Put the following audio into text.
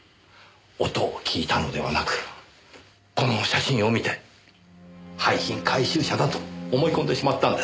音を聞いたのではなくこの写真を見て廃品回収車だと思い込んでしまったんです。